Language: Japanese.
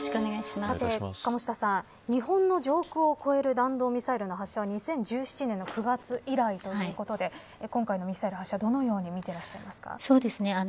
さて鴨下さん、日本の上空を越える弾道ミサイル発射は２０１９年の４月以来ということで今回のミサイル発射どのように見ていますか。